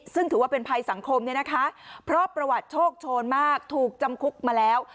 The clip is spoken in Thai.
ซึ่งถือว่าเป็นภัยสังคมเนี่ยนะคะเพราะประวัติโชคโชนมากถูกจำคุกมาแล้ว